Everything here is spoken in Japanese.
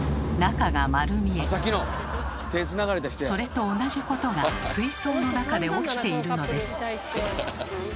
それと同じことが水槽の中で起きているのです。